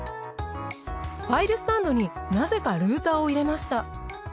ファイルスタンドになぜかルーターを入れました。